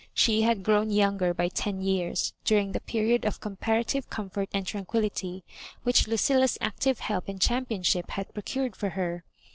She had grown younger by ten years during the period of comparatiye comfort and tranquillity which Lucilia's active help and championship had procured for her.